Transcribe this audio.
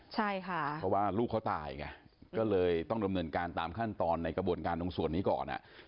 ใช่ค่ะเพราะว่าลูกเขาตายไงก็เลยต้องดำเนินการตามขั้นตอนในกระบวนการตรงส่วนนี้ก่อน